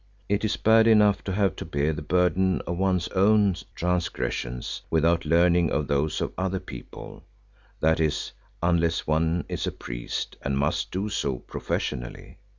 It is bad enough to have to bear the burden of one's own transgressions without learning of those of other people, that is, unless one is a priest and must do so professionally.